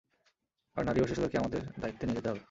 আর নারী ও শিশুদেরকে আমাদের দায়িত্বে নিয়ে যেতে হবে।